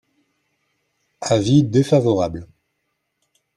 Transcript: Avis défavorable.